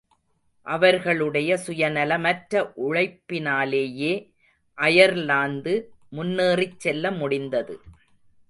அவர்களுடைய சுயநலமற்ற உழைப்பினாலேயே அயர்லாந்து முன்னேறிச்செல்லமுடிந்தது.